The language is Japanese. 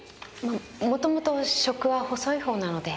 もともと食は細いほうなので。